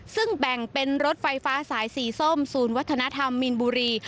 ซึ่งแบ่งเป็นรถไฟฟ้าสายสีส้มศูนย์วัฒนธรรมมีนบุรี